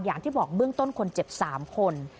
อย่างที่บอกเบื้องต้นคนเจ็บ๓คน